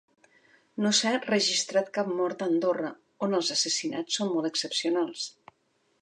No s’ha registrat cap mort a Andorra, on els assassinats són molt excepcionals.